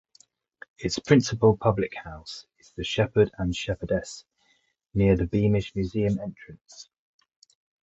Its principal public house is the Shepherd and Shepherdess, near the Beamish Museum entrance.